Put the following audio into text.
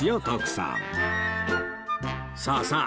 さあさあ